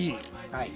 はい。